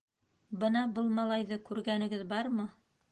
- Бына был малайҙы күргәнегеҙ бармы?